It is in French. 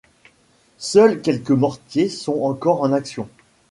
Seuls quelques mortiers sont encore en action.